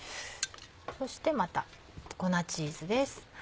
そしてまた粉チーズです。